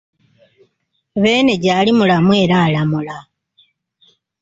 Beene gyali mulamu era alamula.